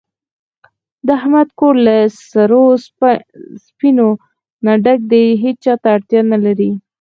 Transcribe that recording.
د احمد کور له سرو سپینو نه ډک دی، هېچاته اړتیا نه لري.